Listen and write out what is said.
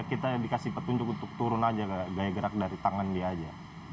kita diberi petunjuk untuk turun saja gaya gerak dari tangan dia saja